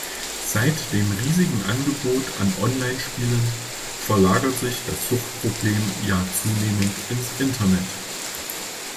Seit dem riesigen Angebot an Online-Spielen verlagert sich das Suchtproblem ja zunehmend ins Internet.